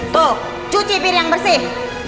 tuh cuci bir yang bersih